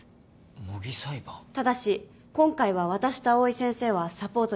ただし今回は私と藍井先生はサポートには入りません。